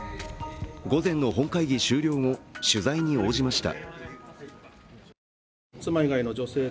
午前の本会議終了後、取材に応じました。